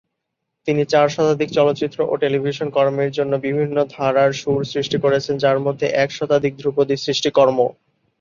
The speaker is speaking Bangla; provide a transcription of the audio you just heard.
তিনি চার শতাধিক চলচ্চিত্র ও টেলিভিশন কর্মের জন্য বিভিন্ন ধারার সুর সৃষ্টি করেছেন, যার মধ্যে এক শতাধিক ধ্রুপদী সৃষ্টিকর্ম।